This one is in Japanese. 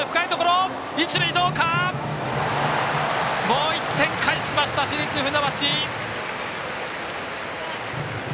もう１点返しました市立船橋。